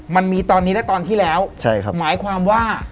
มันมีตอนนี้และตอนที่แล้วใช่ครับหมายความว่า